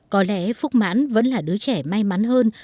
có lẽ phúc mãn vẫn là đứa trẻ may mắn hơn